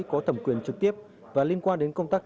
có thẩm quyền trực tiếp và liên quan đến công tác